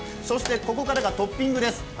そしてここからがトッピングです。